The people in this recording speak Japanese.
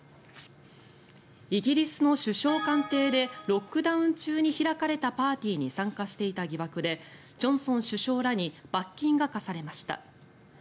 イギリスの首相官邸でロックダウン中に開かれたパーティーに参加していた疑惑でジョンソン首相らに罰金が科されました。